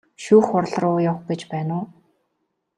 Шүүх хуралруу явах гэж байна уу?